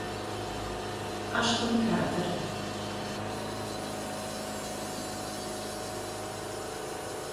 Ashton Carter